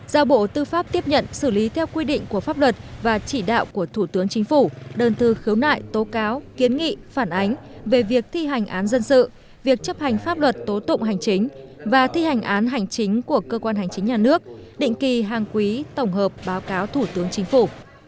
giao bộ tư pháp tiếp nhận xử lý theo quy định của pháp luật và chỉ đạo của thủ tướng chính phủ đơn thư khiếu nại tố cáo kiến nghị phản ánh về việc thi hành án dân sự việc chấp hành pháp luật tố tụng hành chính và thi hành án hành chính của cơ quan hành chính nhà nước định kỳ hàng quý tổng hợp báo cáo thủ tướng chính phủ